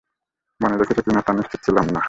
মনে রেখেছো কি না তা নিশ্চিত ছিলাম না।